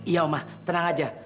iya omah tenang aja